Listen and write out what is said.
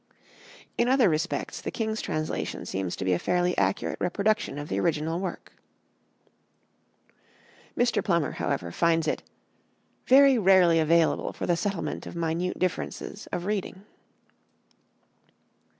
In other respects the king's translation seems to be a fairly accurate reproduction of the original work." Mr. Plummer, however, finds it "very rarely available for the settlement of minute differences of reading."